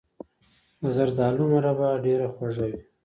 د زردالو مربا ډیره خوږه وي.